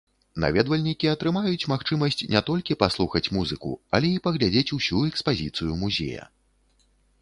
Наведвальнікі атрымаюць магчымасць не толькі паслухаць музыку, але і паглядзець усю экспазіцыю музея.